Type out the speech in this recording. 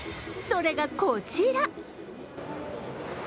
それがこちら。